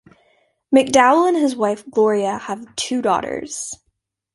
McDowell and his wife, Gloria, have two daughters.